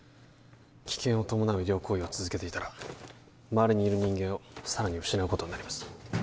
危険を伴う医療行為を続けていたら周りにいる人間をさらに失うことになります